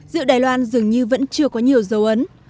rượu đài loan dường như vẫn chưa có nhiều dấu ấn